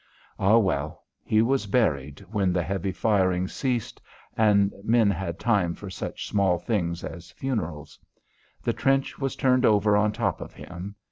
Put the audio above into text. Ah well, he was buried when the heavy firing ceased and men had time for such small things as funerals. The trench was turned over on top of him.